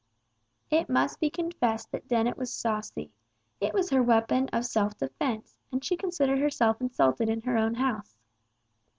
It must be confessed that Dennet was saucy! It was her weapon of self defence, and she considered herself insulted in her own house.